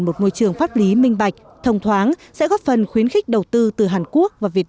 một môi trường pháp lý minh bạch thông thoáng sẽ góp phần khuyến khích đầu tư từ hàn quốc và việt